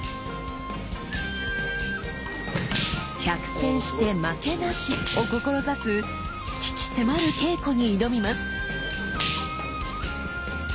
「百戦して負けなし」を志す鬼気迫る稽古に挑みます！